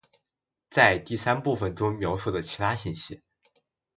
·在第三部分中描述的其他信息。